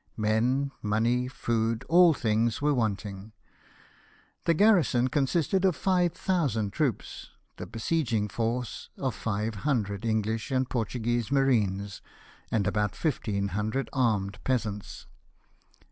Men, money, food — all things were wanting. The garrison consisted of ^yq thousand troops, the besieging force of five hundred English and Portuguese marines, and about fifteen hundred armed peasants.